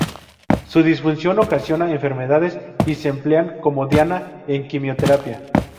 Su disfunción ocasiona enfermedades, y se emplean como diana en quimioterapia.